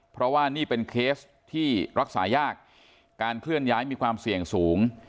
เพราะว่านี่เป็นเคสที่รักษายากการเคลื่อนย้ายมีความเสี่ยงสูง